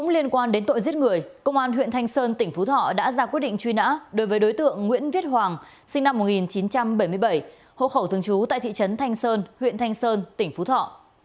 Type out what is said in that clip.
liên quan đến tội giết người công an huyện thanh sơn tỉnh phú thọ đã ra quyết định truy nã đối với đối tượng nguyễn viết hoàng sinh năm một nghìn chín trăm bảy mươi bảy hộ khẩu thường trú tại thị trấn thanh sơn huyện thanh sơn tỉnh phú thọ